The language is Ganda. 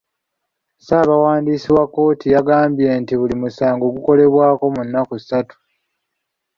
Ssaabawandiisi wa kkooti yagambye nti buli musango gukolebwako mu nnaku ssatu.